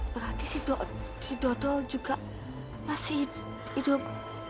berarti si dodol juga masih hidup